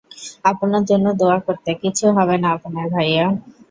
আপনার জন্য দোয়া করতে, কিছু হবে না আপনার, ভাইয়া।